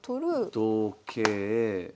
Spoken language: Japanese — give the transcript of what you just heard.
同桂。